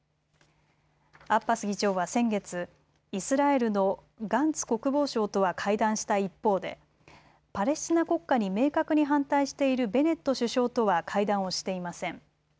アッバス議長は先月、イスラエルのガンツ国防相とは会談した一方でパレスチナ国家に明確に反対しているベネット首相とは会談をしていません。